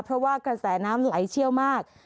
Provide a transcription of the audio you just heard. เพราะว่ากระแสน้ำไหลเชี่ยวมาก